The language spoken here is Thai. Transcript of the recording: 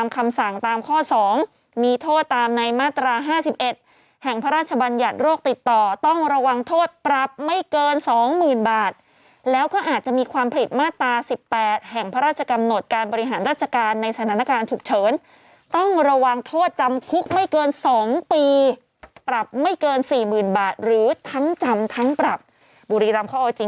ของมีโทษตามในมาตราห้าสิบเอ็ดแห่งพระราชบัญญัติโรคติดต่อต้องระวังโทษปรับไม่เกินสองหมื่นบาทแล้วก็อาจจะมีความผลิตมาตราสิบแปดแห่งพระราชกำหนดการบริหารราชการในสถานการณ์ถูกเฉินต้องระวังโทษจำคุกไม่เกินสองปีปรับไม่เกินสี่หมื่นบาทหรือทั้งจำทั้งปรับบุรีรัมณ